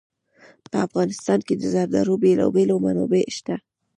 په افغانستان کې د زردالو بېلابېلې منابع شته دي.